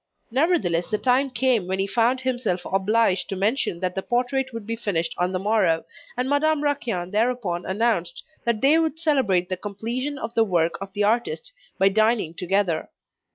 Nevertheless, the time came when he found himself obliged to mention that the portrait would be finished on the morrow, and Madame Raquin thereupon announced that they would celebrate the completion of the work of the artist by dining together.